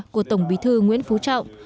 của tổng bí thư nguyễn phú trọng